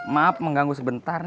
maaf mengganggu sebentar